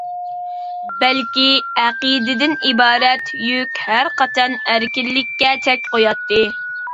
بەلكى ئەقىدىدىن ئىبارەت يۈك ھەرقاچان ئەركىنلىككە چەك قوياتتى.